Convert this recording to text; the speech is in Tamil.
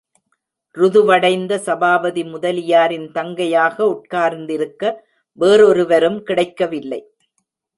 ருதுவடைந்த சபாபதி முதலியாரின் தங்கையாக உட்கார்ந்திருக்க வேறொருவரும் கிடைக்கவில்லை!